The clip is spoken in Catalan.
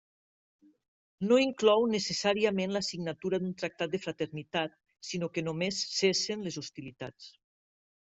No inclou necessàriament la signatura d'un tractat de fraternitat sinó que només cessen les hostilitats.